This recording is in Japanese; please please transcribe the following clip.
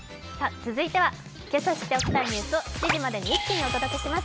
続いては、今朝知っておきたいニュースを７時までに一気にお届けします。